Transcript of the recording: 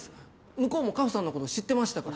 向こうも果帆さんのこと知ってましたから。